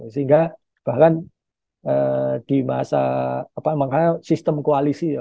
sehingga bahkan di masa sistem koalisi ya